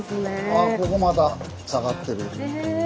あっここまた下がってる。え。